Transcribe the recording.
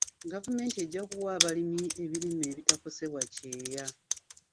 Gvaumenti ejja kuwa abalimi ebirime ebitakosebwa kyeeya.